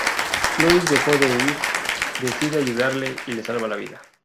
Lois lejos de huir, decide ayudarle y le salva la vida.